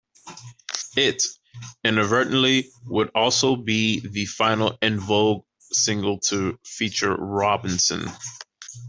It, inadvertently, would also be the final En Vogue single to feature Robinson.